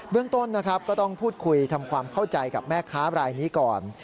เรื่องต้นนะครับก็ต้องพูดคุยทำความเข้าใจกับแม่ค้ารายนี้ก่อน